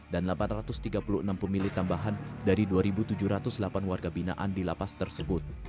dan delapan ratus tiga puluh enam pemilih tambahan dari dua tujuh ratus delapan warga binaan di lapas tersebut